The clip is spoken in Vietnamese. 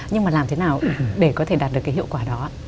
nhưng mà làm thế nào để có thể đạt được cái hiệu quả đó